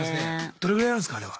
どれぐらいやるんすかあれは。